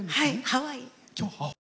ハワイ。